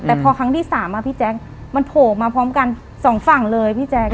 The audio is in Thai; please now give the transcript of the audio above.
แต่พอครั้งที่๓พี่แจ๊คมันโผล่มาพร้อมกันสองฝั่งเลยพี่แจ๊ค